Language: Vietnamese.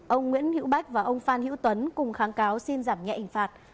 ông nguyễn hữu bách và ông phan hữu tuấn cùng kháng cáo xin giảm nhẹ hình phạt